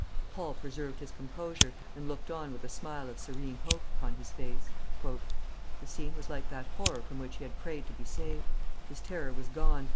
Paul preserved his composure, and looked on with a smile of serene hope upon his face. "The scene was like that horror from which he had prayed to be saved. His terror was gone.